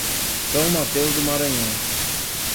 São Mateus do Maranhão